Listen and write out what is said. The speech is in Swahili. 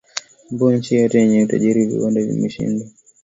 ambayo nchi hizo zenye utajiri wa viwanda zimeshindwa